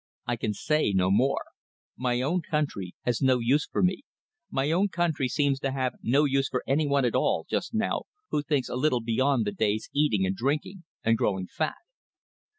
"I can say no more. My own country has no use for me. My own country seems to have no use for any one at all just now who thinks a little beyond the day's eating and drinking and growing fat."